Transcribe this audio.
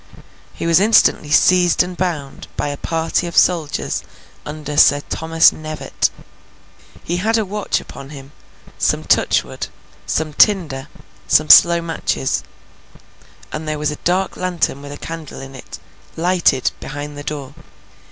He was instantly seized and bound, by a party of soldiers under Sir Thomas Knevett. He had a watch upon him, some touchwood, some tinder, some slow matches; and there was a dark lantern with a candle in it, lighted, behind the door.